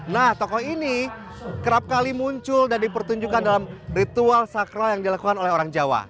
nah tokoh ini kerap kali muncul dan dipertunjukkan dalam ritual sakral yang dilakukan oleh orang jawa